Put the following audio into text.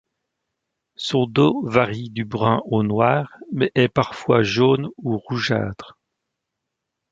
Son dos varie du brun au noir mais est parfois jaune ou rougeâtre.